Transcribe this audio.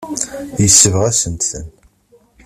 Yesbeɣ-asent-ten.